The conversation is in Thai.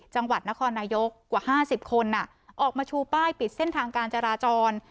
จังหวัดนครนายกกว่า๕๐คนออกมาชูป้ายปิดเส้นทางการจราจร